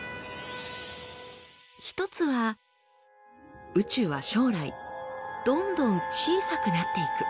一つは宇宙は将来どんどん小さくなっていく。